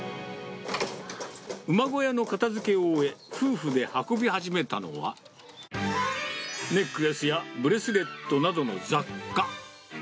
馬小屋の片づけを終え、夫婦で運び始めたのは、ネックレスや、ブレスレットなどの雑貨。